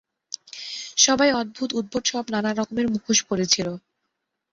সবাই অদ্ভুত, উদ্ভট সব নানা রকমের মুখোশ পরেছিল।